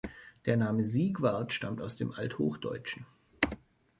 Der Name "Siegward" stammt aus dem Althochdeutschen.